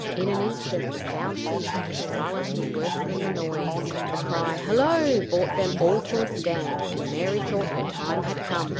In an instant the sound ceased and the silence was worse than the noise. The cry "Hollo!" brought them all to a stand, and Mary thought her time had come.